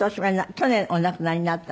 去年お亡くなりになった。